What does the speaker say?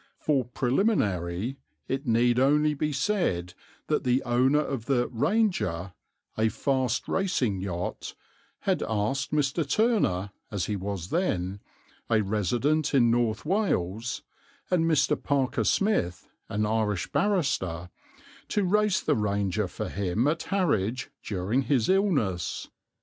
For preliminary, it need only be said that the owner of the Ranger, a fast racing yacht, had asked Mr. Turner (as he was then), a resident in North Wales, and Mr. Parker Smith, an Irish barrister, to race the Ranger for him at Harwich during his illness.